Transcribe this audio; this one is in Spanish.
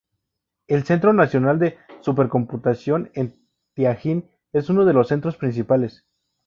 El "Centro nacional de supercomputación en Tianjin" es uno de los centros principales.